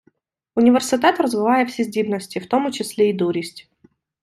Університет розвиває всі здібності, в тому числі і дурість.